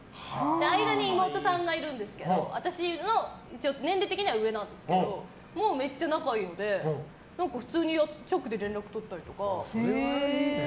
間に妹さんがいるんですけど私の年齢的には上なんですけどめっちゃ仲いいので、普通に直で連絡とったりとか。